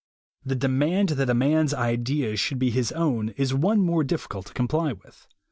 The demand that a man's ideals should be his own is one more difficult to comply with.